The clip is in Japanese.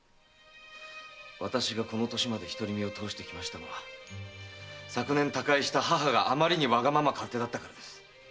私がこの歳まで独り身を通していましたのは昨年他界した母があまりにわがまま勝手だったからです。